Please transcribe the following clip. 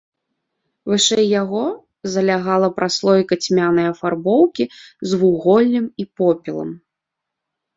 Вышэй яго залягала праслойка цьмянай афарбоўкі з вуголлем і попелам.